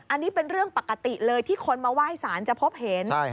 อันนี้เป็นเรื่องปกติเลยที่คนมาไหว้สารจะพบเห็น